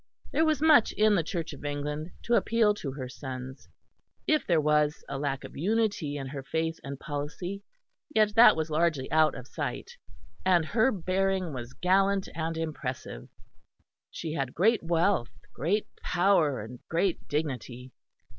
There was much in the Church of England to appeal to her sons; if there was a lack of unity in her faith and policy, yet that was largely out of sight, and her bearing was gallant and impressive. She had great wealth, great power and great dignity.